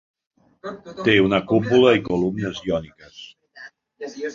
Té una cúpula i columnes iòniques.